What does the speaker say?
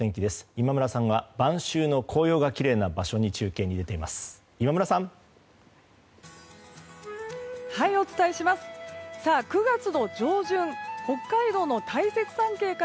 今村さんは晩秋の候用がきれいな場所に中継に出ています。